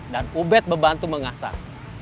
dan ubed membantu mengasah